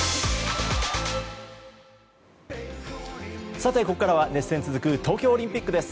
さて、ここからは熱戦続く東京オリンピックです。